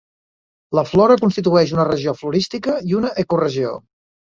La flora constitueix una regió florística i una ecoregió.